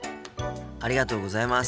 ありがとうございます。